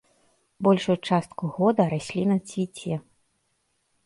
Большую частку года расліна цвіце.